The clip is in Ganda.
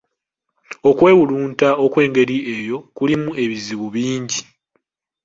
Okwewulunta okwengeri eyo kulimu ebizibu bingi.